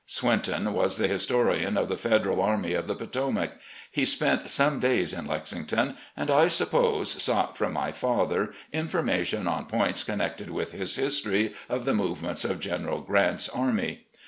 Swinton was the historian of the Federal Army of the Potomac. He spent some days in Lexington, and, I suppose, sought from my father information on points connected with his history of the movements of General Chant's army.